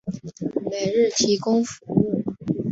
每日提供服务。